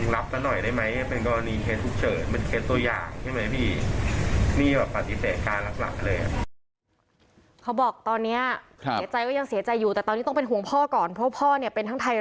รับสักหน่อยได้ไหมเป็นกรณีเคสทุกเฉิน